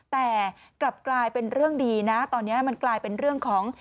แต่กลับกลายเป็นเรื่องดีนะตอนนี้มันกลายเป็นเรื่องของ